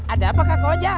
ada apa kakak oja